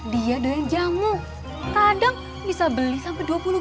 dia doyan jamu kadang bisa beli sampai dua puluh gelas pak